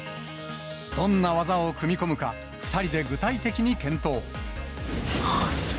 どんな技を組み込むか、２人で具体的に検討。